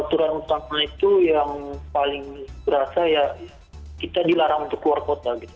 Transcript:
aturan utama itu yang paling berasa ya kita dilarang untuk keluar kota gitu